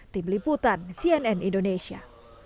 tim liputan cnn indonesia